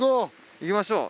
行きましょう。